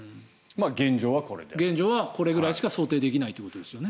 現状はこれぐらいしか想定できないということですね。